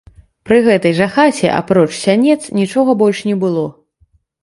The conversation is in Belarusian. Пры гэтай жа хаце, апроч сянец, нічога больш не было.